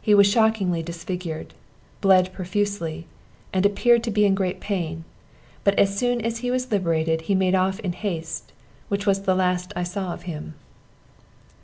He was shockingly disfigured, bled profusely, and appeared to be in great pain: but as soon as he was liberated he made off in haste, which was the last I saw of him.